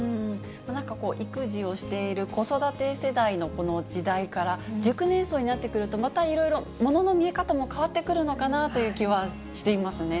なんかこう、育児をしている子育て世代のこの時代から、熟年層になってくると、またいろいろ、ものの見え方も変わってくるのかなという気はしていますね。